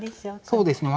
そうですね。